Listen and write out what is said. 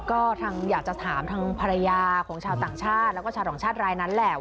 ก็ทางอยากจะถามทางภรรยาของชาวต่างชาติแล้วก็ชาวต่างชาติรายนั้นแหละ